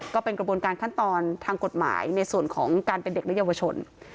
ก็เป็นกระบวนการขั้นตอนทางกฎหมายในส่วนของการเป็นเด็กและเยาวชน